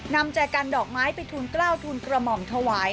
แจกันดอกไม้ไปทูลกล้าวทูลกระหม่อมถวาย